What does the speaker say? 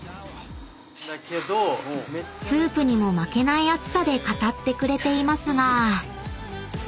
［スープにも負けない熱さで語ってくれていますが］